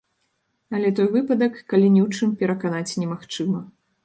Але той выпадак, калі ні ў чым пераканаць немагчыма.